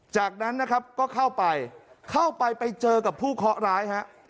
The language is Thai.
จากนั้นนะครับก็เข้าไปเข้าไปไปเจอกับผู้เคาะร้ายฮะ